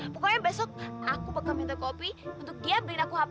pokoknya besok aku bakal minta kopi untuk dia beli aku hp